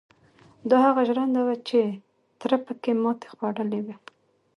دا هغه ژرنده وه چې تره پکې ماتې خوړلې وه.